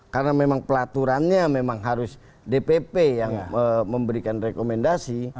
karena memang pelaturannya memang harus dpp yang memberikan rekomendasi